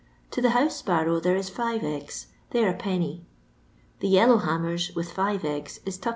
To the house sparrow thers is five eggs; they'll Id. The yellow hammers, with five eggf, is %i.